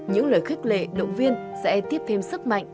những lời khích lệ động viên sẽ tiếp thêm sức mạnh